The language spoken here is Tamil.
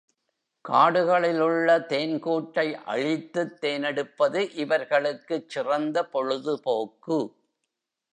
காடுகளில் உள்ள தேன்கூட்டை அழித்துத் தேனெடுப்பது இவர்களுக்குச் சிறந்த பொழுது போக்கு.